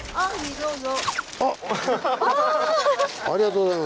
どうぞ。